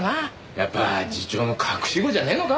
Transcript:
やっぱ次長の隠し子じゃねえのか？